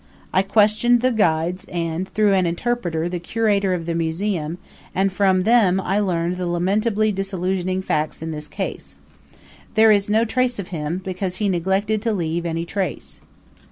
I questioned the guides and, through an interpreter, the curator of the Museum, and from them I learned the lamentably disillusioning facts in this case. There is no trace of him because he neglected to leave any trace.